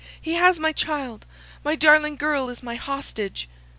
he has my child; my darling girl is my hostage."